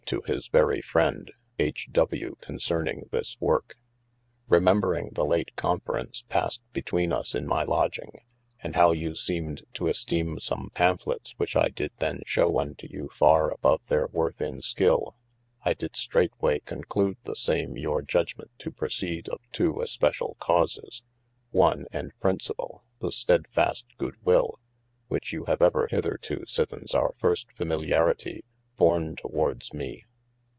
to his very friend H. W. concerning this worke. REmembring the late conference passed betwene us in my lodging, and how you seemed to esteeme some Pamphlets, which I did there shew unto you farre above their worth in skill, I did straightwaye conclude the same your judgment to procede of two especiall causes, one (and principall) the stedfast good will, which you have ever hitherto sithens our first familiaritie borne towardes mee.